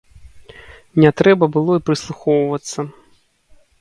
Не трэба было і прыслухоўвацца.